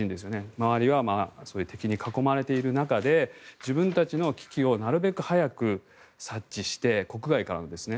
周りは敵に囲まれている中で自分たちの危機をなるべく早く察知して国外からのですね。